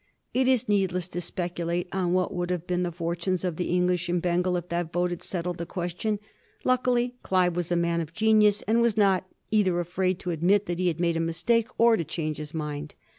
It is needless to speculate on what would have been the fortunes of the English in Bengal if that vote had settled the question. Luckily, Clive was a man of genius, and was not either afraid to admit that he had made a mis take, or to change his mind.